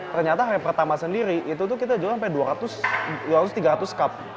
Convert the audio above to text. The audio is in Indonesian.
ternyata hari pertama sendiri itu tuh kita jual sampai dua ratus tiga ratus cup